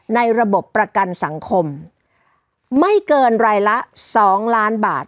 ในระบบประกันสังคมไม่เกินรายละ๒ล้านบาท